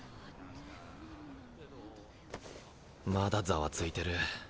まだざわついてる。